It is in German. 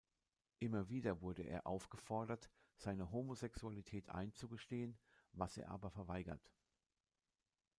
Immer wieder wird er aufgefordert, seine Homosexualität einzugestehen, was er aber verweigert.